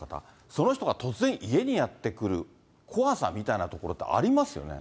その人が突然、家にやって来る怖さみたいなところってありますよね。